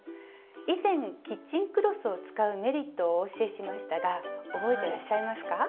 以前キッチンクロスを使うメリットをお教えしましたが覚えてらっしゃいますか？